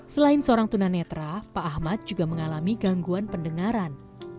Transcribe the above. selain seorang tunanetra pak ahmad juga mengalami gangguan pendengaran